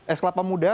es kelapa muda